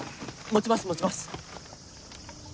持ちます持ちます！